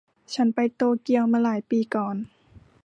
ฉันไปโตเกียวมาหลายปีก่อน